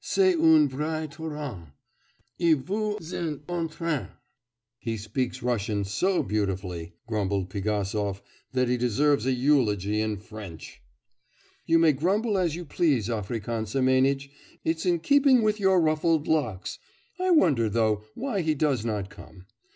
C'est un vrai torrent... il vous entraîne. 'He speaks Russian so beautifully,' grumbled Pigasov, 'that he deserves a eulogy in French.' 'You may grumble as you please, African Semenitch.... It's in keeping with your ruffled locks.... I wonder, though, why he does not come.